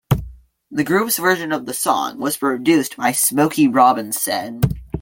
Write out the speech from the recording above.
The group's version of the song was produced by Smokey Robinson.